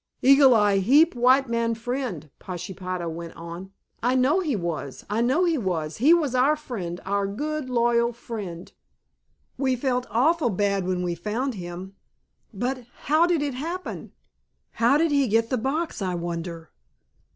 "Eagle Eye heap white man friend," Pashepaho went on. "I know he was, I know he was, he was our friend, our good, loyal friend; we felt awfully bad when we found him. But—how did it happen? How did he get the box, I wonder?"